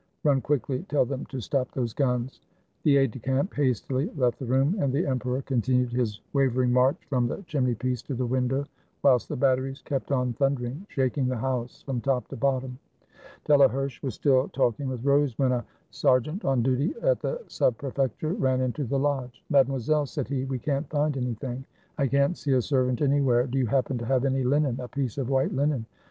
Run quickly, tell them to stop those guns!" The aide de camp hastily left the room, and the em peror continued his wavering march from the chimney piece to the window, whilst the batteries kept on thun dering, shaking the house from top to bottom. Delaherche was still talking with Rose when a ser geant, on duty at the Sub Prefecture, ran into the lodge: '^ Mademoiselle," said he, *'we can't find anything. I can't see a servant anywhere. Do you happen to have any linen — a piece of white linen?'